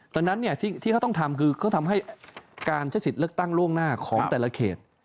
ดังนั้นที่เขาต้องทำคือเขาทำให้การใช้สิทธิ์เลือกตั้งล่วงหน้าของแต่ละเขต